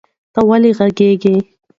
ته ویلې غږیږي؟